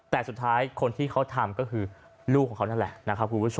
แต่สุดท้ายคนที่เขาทำก็คือลูกของเขานั่นแหละ